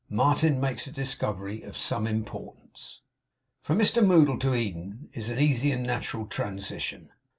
MARTIN MAKES A DISCOVERY OF SOME IMPORTANCE From Mr Moddle to Eden is an easy and natural transition.